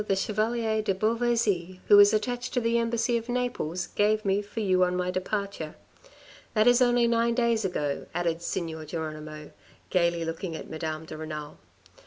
the Chevalier de Beauvaisis, who is attached to the Embassy of Naples, gave me for you on my departure. That is only nine days ago, added Signor Geronimo, gaily looking at Madame de Renal.